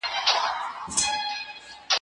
ما مخکي د سبا لپاره د هنرونو تمرين کړی وو،